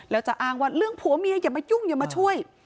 แล้วจะอ้างว่าเรื่องผัวเมียอย่ามายุ่งอย่ามาช่วย